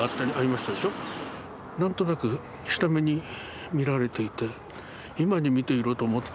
何となく下目に見られていて今に見ていろと思って。